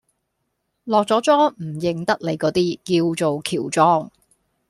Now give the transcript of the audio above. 落咗妝唔認得你嗰啲，叫做喬裝